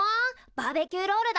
バーベキューロールだな。